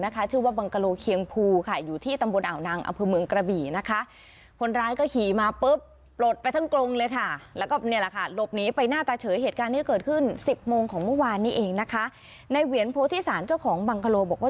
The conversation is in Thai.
ก็เกิดขึ้นสิบโมงของเมื่อวานนี้เองนะคะในเวียนโพทิสารเจ้าของบังโกโรบอกว่า